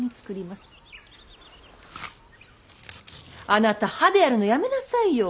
あなた歯でやるのやめなさいよ。